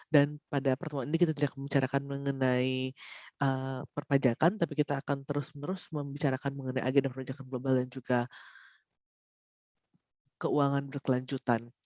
pada pertemuan ini kita tidak membicarakan mengenai perpajakan tapi kita akan terus menerus membicarakan mengenai agenda perpajakan global dan juga keuangan berkelanjutan